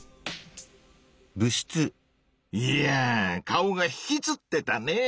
いやぁ顔がひきつってたねぇ！